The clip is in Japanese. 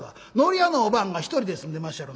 糊屋のおばんが一人で住んでまっしゃろ。